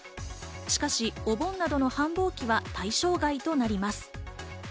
しかしお盆などの繁忙期は対象外となります。